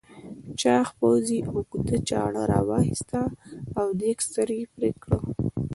چاغ پوځي اوږده چاړه راوایسته او دېگ سر یې پرې کړ.